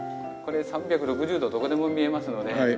これ３６０度どこでも見えますので。